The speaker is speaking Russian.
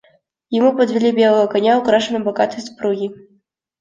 Ему подвели белого коня, украшенного богатой сбруей.